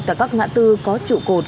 tại các ngã tư có trụ cột